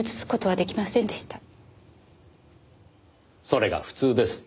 それが普通です。